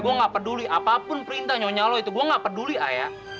gue gak peduli apapun perintah nyonya lo itu gue gak peduli ayah